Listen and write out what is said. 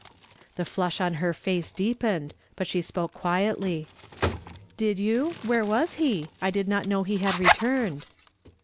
Tlie flush on her face deepened, hut she spoke quietly. "Did you? Where was he? I did not know he had retuiiied."